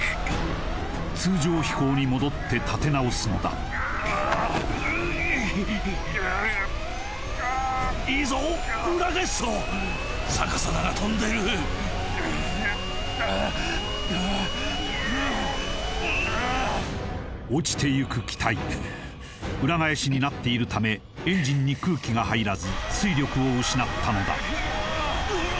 通常飛行に戻って立て直すのだいいぞ裏返すぞ逆さだが飛んでる落ちていく機体裏返しになっているためエンジンに空気が入らず推力を失ったのだうわ！